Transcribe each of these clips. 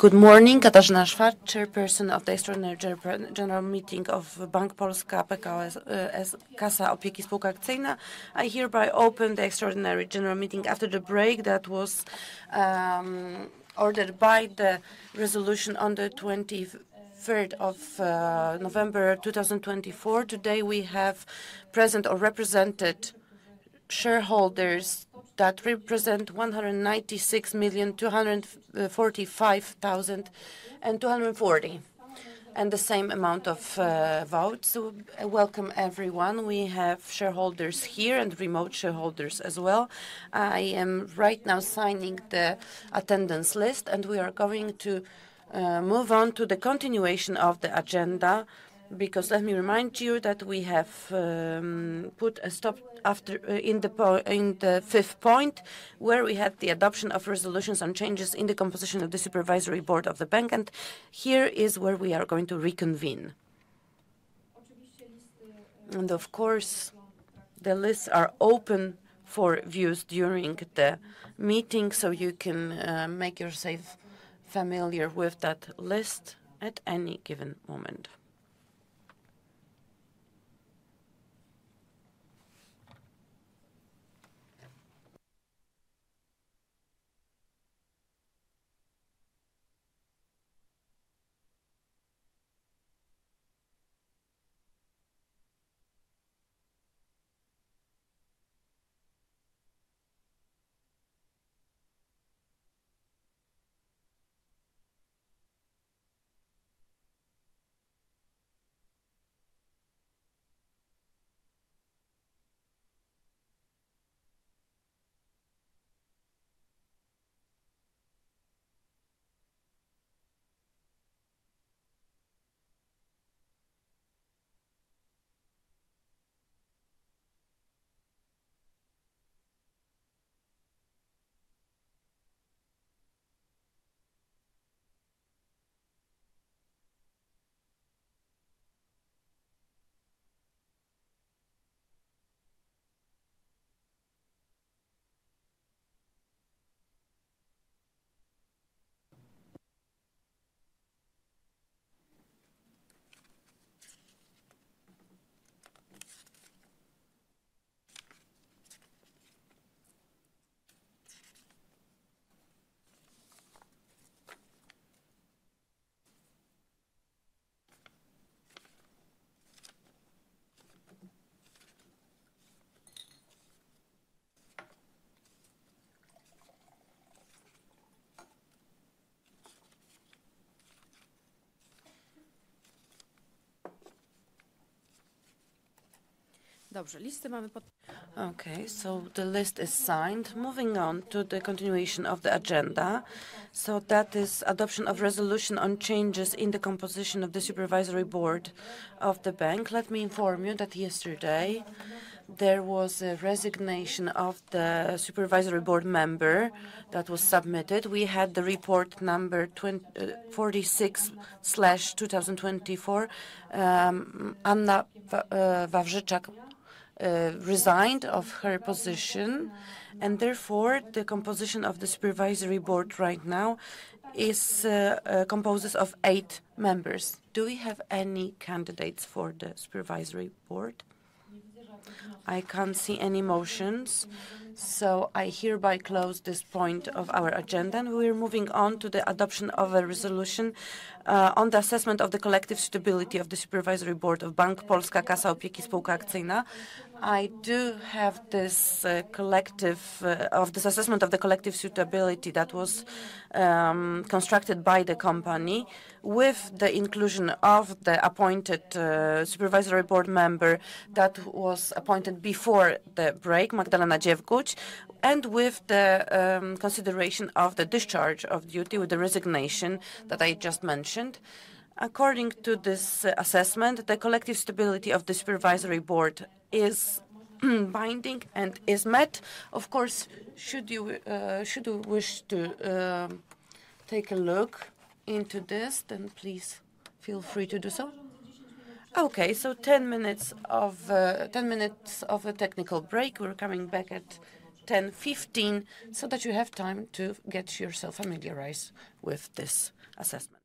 Good morning. Katarzyna Szwarc, Chairperson of the Extraordinary General Meeting of Bank Polska Kasa Opieki Spółka Akcyjna. I hereby open the Extraordinary General Meeting after the break that was ordered by the resolution on the 23rd of November 2024. Today we have present or represented shareholders that represent 196,245,240 and the same amount of votes. Welcome everyone. We have shareholders here and remote shareholders as well. I am right now signing the attendance list, and we are going to move on to the continuation of the agenda because let me remind you that we have put a stop in the fifth point where we had the adoption of resolutions and changes in the composition of the Supervisory Board of the Bank, and here is where we are going to reconvene. And of course, the lists are open for views during the meeting, so you can make yourself familiar with that list at any given moment. Dobrze, listy mamy podpisane. Okay, so the list is signed. Moving on to the continuation of the agenda. So that is adoption of resolution on changes in the composition of the Supervisory Board of the Bank. Let me inform you that yesterday there was a resignation of the Supervisory Board member that was submitted. We had the report number 46/2024. Anna Wawrzyńczak resigned of her position, and therefore the composition of the Supervisory Board right now is composed of eight members. Do we have any candidates for the Supervisory Board? I can't see any motions, so I hereby close this point of our agenda, and we are moving on to the adoption of a resolution on the assessment of the collective suitability of the Supervisory Board of Bank Polska Kasa Opieki Spółka Akcyjna. I do have this collective assessment of the collective suitability that was constructed by the company with the inclusion of the appointed Supervisory Board member that was appointed before the break, Magdalena Dziewguć, and with the consideration of the discharge of duty with the resignation that I just mentioned. According to this assessment, the collective suitability of the Supervisory Board is binding and is met. Of course, should you wish to take a look into this, then please feel free to do so. Okay, so 10 minutes of a technical break. We're coming back at 10:15 A.M. so that you have time to get yourself familiarized with this assessment.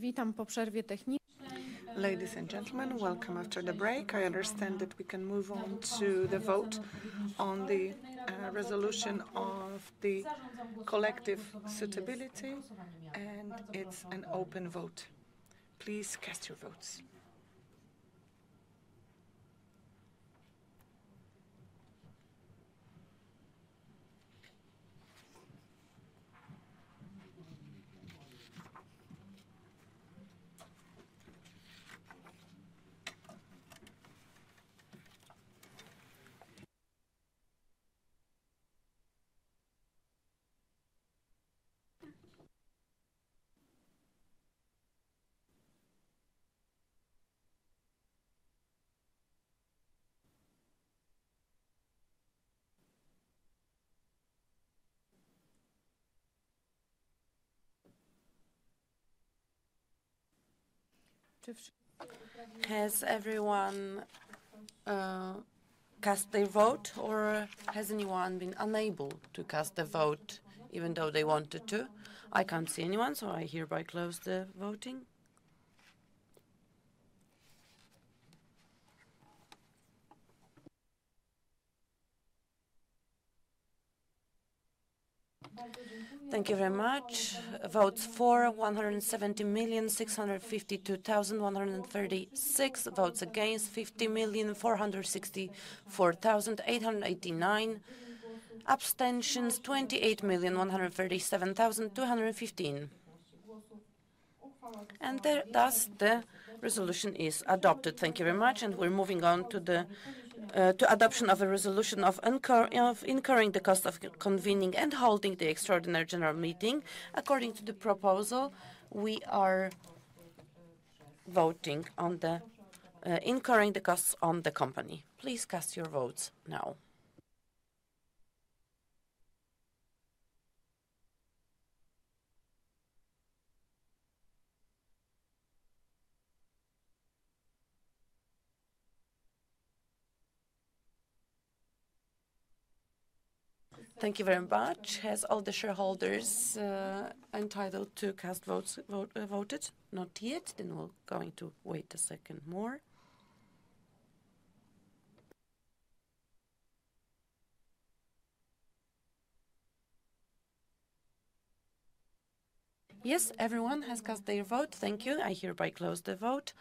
Witam po przerwie technicznej. Ladies and gentlemen, welcome after the break. I understand that we can move on to the vote on the resolution of the collective suitability, and it's an open vote. Please cast your votes. Has everyone cast their vote, or has anyone been unable to cast their vote even though they wanted to? I can't see anyone, so I hereby close the voting. Thank you very much. Votes for: 170,652,136. Votes against: 50,464,889. Abstentions: 28,137,215. And thus, the resolution is adopted. Thank you very much, and we're moving on to the adoption of a resolution of incurring the cost of convening and holding the Extraordinary General Meeting. According to the proposal, we are voting on incurring the costs on the company. Please cast your votes now. Thank you very much. Has all the shareholders entitled to cast votes voted? Not yet, and we're going to wait a second more. Yes, everyone has cast their vote. Thank you. I hereby close the vote.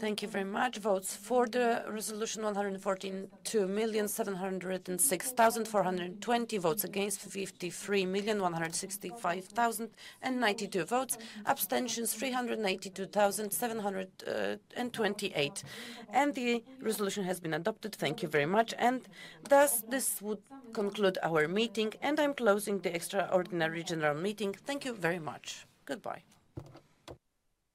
Thank you very much. Votes for the resolution: 114,706,420. Votes against: 53,165,092. Abstentions: 382,728, and the resolution has been adopted. Thank you very much, and thus, this would conclude our meeting, and I'm closing the Extraordinary General meeting. Thank you very much. Goodbye.